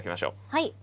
はい。